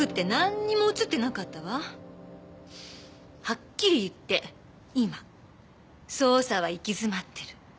はっきり言って今捜査は行き詰まってる。